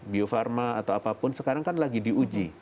bio farma atau apapun sekarang kan lagi diuji